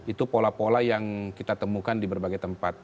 itu pola pola yang kita temukan di berbagai tempat